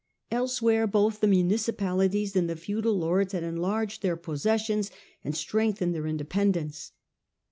Elsewhere both the municipalities and the feudal lords had en larged their possessions and strengthened their indepen dence.